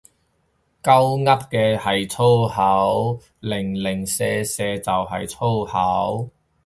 鳩噏係粗口，零零舍舍就係粗口